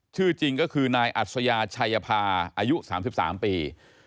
ชื่อจริงก็คือนายอัศยาชัยภาอายุ๓๓ปี